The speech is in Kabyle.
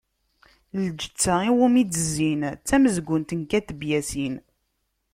"Lǧetta iwumi d-zzin" d tamezgunt n Kateb Yasin.